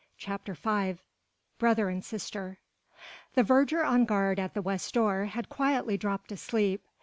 CHAPTER V BROTHER AND SISTER The verger on guard at the west door had quietly dropped to sleep.